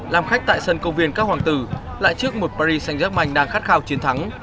làm khách tại sân công viên các hoàng tử lại trước một paris saint germain đang khát khao chiến thắng